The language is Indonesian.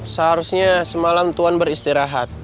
seharusnya semalam tuhan beristirahat